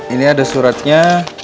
ini ada suratnya